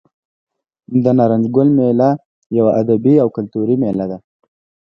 د نارنج ګل میله یوه ادبي او کلتوري میله ده.